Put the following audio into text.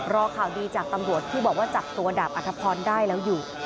รอข่าวดีจากตำรวจที่บอกว่าจับตัวดาบอัธพรได้แล้วอยู่